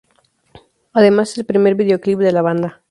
Además es el primer videoclip de la banda.